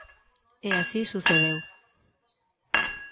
E así sucedeu.